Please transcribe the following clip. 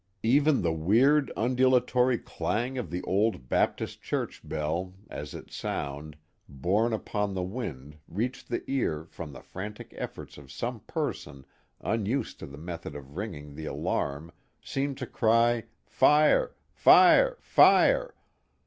Even the weird, undulatory clang of the old Bap tist Church bell, as its sound, borne upon the wind, reached the car, from the frantic efforts of some person unused to the method of ringing the alarm, seemed to cry Fire! fire!! fire!!!"